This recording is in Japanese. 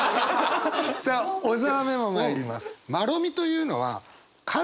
さあ小沢メモまいります。